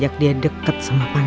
jadi kawin aja tu pryrics kan ngawain